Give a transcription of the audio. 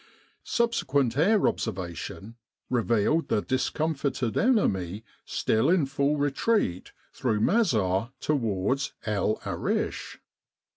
Subsequent air observation revealed the discomfited enemy still in full retreat through Mazar towards El Arish.